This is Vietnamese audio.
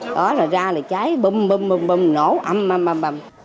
đó là ra là cháy bùm bùm bùm bùm nổ âm âm âm âm